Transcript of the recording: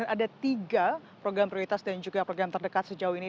ada tiga program prioritas dan juga program terdekat sejauh ini